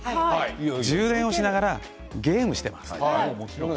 充電をしながらゲームをしています。